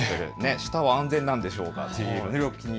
下は安全なんでしょうか。